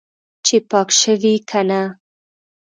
چې پاک شوی که نه.